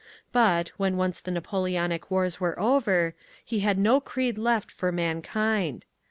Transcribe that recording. But, when once the Napoleonic Wars were over, he had no creed left for mankind.